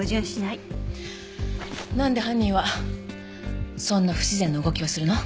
なんで犯人はそんな不自然な動きをするの？